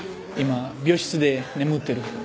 今病室で眠ってる。